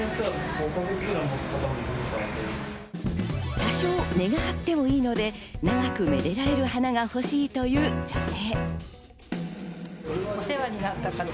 多少、値が張ってもいいので、長くめでられる花が欲しいという女性。